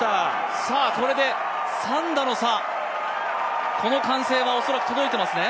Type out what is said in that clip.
これで３打の差、この歓声は恐らく届いていますね。